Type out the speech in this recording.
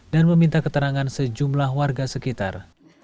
dan meminta keterangan sejumlah warga sekitar